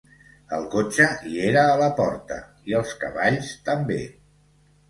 El cotxe hi era a la porta, i els cavalls també